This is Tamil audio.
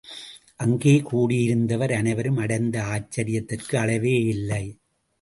அங்கே கூடியிருந்தவர் அனைவரும் அடைந்த ஆச்சரியத்திற்கு அளவேயில்லை.